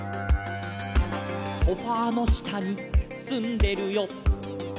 「ソファの下にすんでるよ」